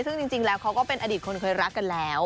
ซึ่งจริงแล้วเขาก็เป็นอดีตคนเคยรักกันแล้ว